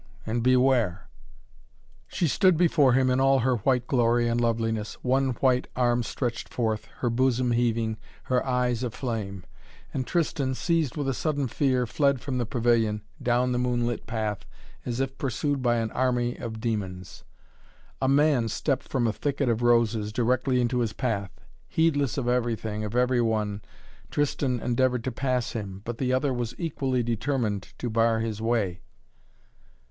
And beware!" She stood before him in all her white glory and loveliness, one white arm stretched forth, her bosom heaving, her eyes aflame. And Tristan, seized with a sudden fear, fled from the pavilion, down the moonlit path as if pursued by an army of demons. A man stepped from a thicket of roses, directly into his path. Heedless of everything, of every one, Tristan endeavored to pass him, but the other was equally determined to bar his way.